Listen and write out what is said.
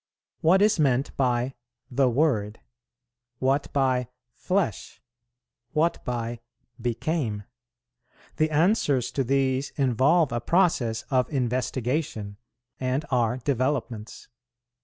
What is meant by "the Word," what by "flesh," what by "became"? The answers to these involve a process of investigation, and are developments.